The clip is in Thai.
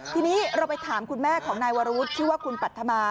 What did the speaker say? ทีนี้เราไปถามคุณแม่ของนายวรวุฒิชื่อว่าคุณปัธมา